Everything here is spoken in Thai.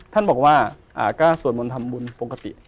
ท่านบอกว่าก็สวดมนต์ทำบุญปกติ